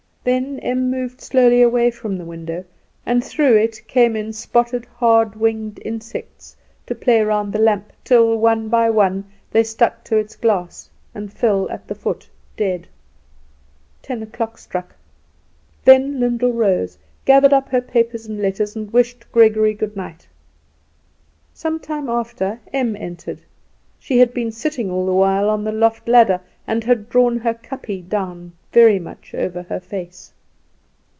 Then Em moved slowly away from the window, and through it came in spotted, hard winged insects, to play round the lamp, till, one by one, they stuck to its glass, and fell to the foot dead. Ten o'clock struck. Then Lyndall rose, gathered up her papers and letters, and wished Gregory good night. Some time after Em entered; she had been sitting all the while on the loft ladder, and had drawn her kapje down very much over her face.